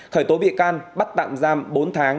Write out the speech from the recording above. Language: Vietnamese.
khởi tố bị can bắt tạm giam bốn tháng